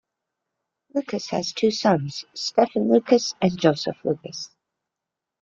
Lucas has two sons: Stephen Lucas and Joseph Lucas.